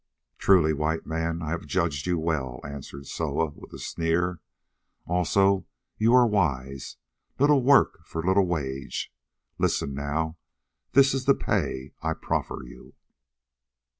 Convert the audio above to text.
"Truly, White Man, I have judged you well," answered Soa with a sneer; "also you are wise: little work for little wage. Listen now, this is the pay I proffer you.